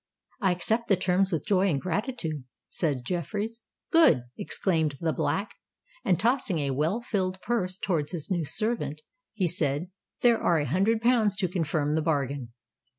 "I accept the terms with joy and gratitude," said Jeffreys. "Good!" exclaimed the Black; and tossing a well filled purse towards his new servant, he said, "There are a hundred pounds to confirm the bargain.